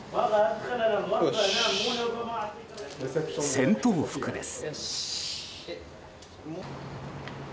戦闘服です。